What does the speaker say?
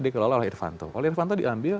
dikelola oleh irvanto oleh irvanto diambil